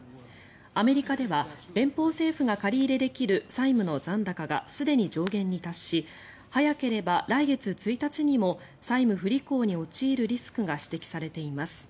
アメリカでは連邦政府が借り入れできる債務の残高がすでに上限に達し早ければ来月１日にも債務不履行に陥るリスクが指摘されています。